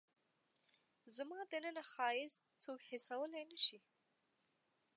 زما دننه ښایست څوک حسولای نه شي